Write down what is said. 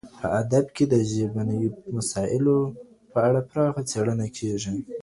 په ادب کي د ژبنیو مسایلو په اړه پراخه څېړنه کیږي.